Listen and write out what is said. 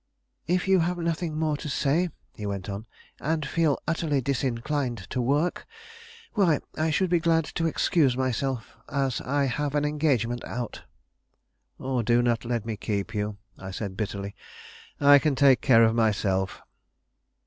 "If you have nothing more to say," he went on, "and feel utterly disinclined to work, why, I should be glad to excuse myself, as I have an engagement out." "Do not let me keep you," I said, bitterly. "I can take care of myself."